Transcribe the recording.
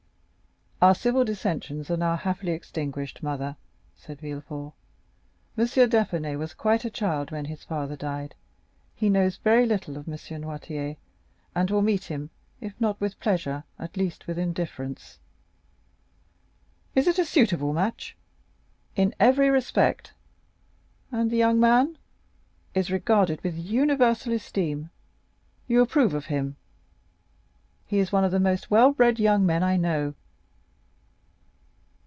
"Our civil dissensions are now happily extinguished, mother," said Villefort; "M. d'Épinay was quite a child when his father died, he knows very little of M. Noirtier, and will meet him, if not with pleasure, at least with indifference." "Is it a suitable match?" "In every respect." "And the young man?" "Is regarded with universal esteem." "You approve of him?" "He is one of the most well bred young men I know."